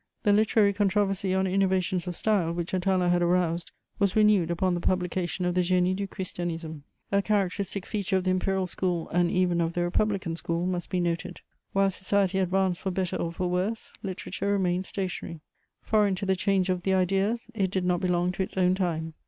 The literary controversy on innovations of style which Atala had aroused was renewed upon the publication of the Génie du Christianisme. A characteristic feature of the imperial school, and even of the republican school, must be noted: while society advanced for better or for worse, literature remained stationary; foreign to the change of the ideas, it did not belong to its own time.